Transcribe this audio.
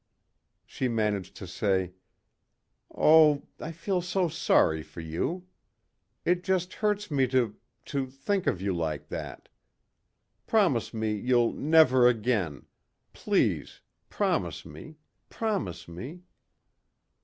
She managed to say, "Oh ... I feel so sorry for you. It just hurts me to ... to think of you like that. Promise me you'll never again.... Please.... Promise me.... Promise me...."